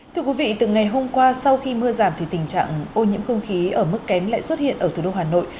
thưa quý vị từ ngày hôm qua sau khi mưa giảm thì tình trạng ô nhiễm không khí ở mức kém lại xuất hiện ở thủ đô hà nội